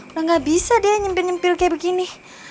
nah gak bisa deh nyempil nyempil kayak begini